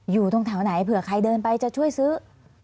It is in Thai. อยู่ตรงแถวไหนเผื่อใครเดินไปจะช่วยซื้อ